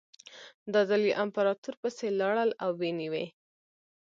دا ځل یې امپراتور پسې لاړل او ونیو یې.